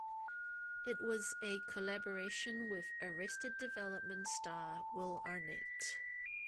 It was a collaboration with "Arrested Development" star Will Arnett.